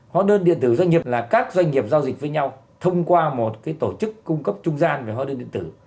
hóa đơn điện tử doanh nghiệp là các doanh nghiệp giao dịch với nhau thông qua một tổ chức cung cấp trung gian về hóa đơn điện tử